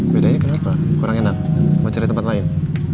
bedanya kenapa kurang enak mau cari tempat lain